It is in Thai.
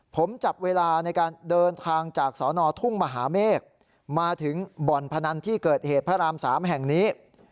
ผมจับเวลาในการเดินทางจากสอนอทุ่งมหาเมฆมาถึงบ่อนพนันที่เกิดเหตุพระราม๓แห่งนี้